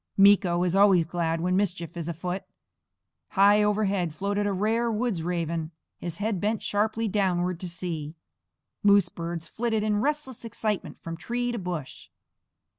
Meeko is always glad when mischief is afoot. High overhead floated a rare woods' raven, his head bent sharply downward to see. Moose birds flitted in restless excitement from tree to bush.